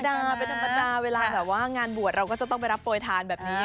ธรรมดาเวลางานบวชเราก็จะต้องไปรับโปรดทานแบบนี้